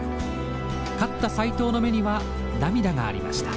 勝った斎藤の目には涙がありました。